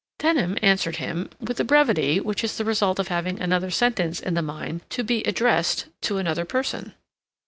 Denham answered him with the brevity which is the result of having another sentence in the mind to be addressed to another person.